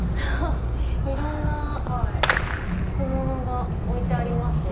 いろんな小物が置いてありますね。